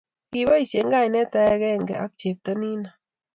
Kiboisien kainet agenge ak chepto nino